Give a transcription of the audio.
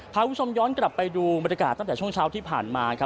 พาคุณผู้ชมย้อนกลับไปดูบรรยากาศตั้งแต่ช่วงเช้าที่ผ่านมาครับ